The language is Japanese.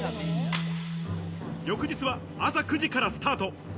翌日は朝９時からスタート。